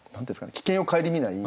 危険を顧みない。